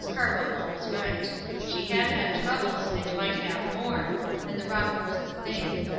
Carbuncle was right. She had had troubles and might have more, and the rock was the thing.